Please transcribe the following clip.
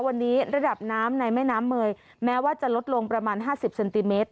วันนี้ระดับน้ำในแม่น้ำเมยแม้ว่าจะลดลงประมาณ๕๐เซนติเมตร